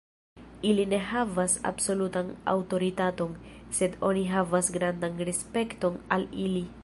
Ili ne havas absolutan aŭtoritaton, sed oni havas grandan respekton al ili.